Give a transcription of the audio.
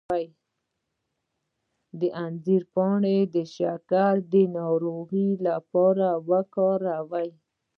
د انځر پاڼې د شکر د ناروغۍ لپاره وکاروئ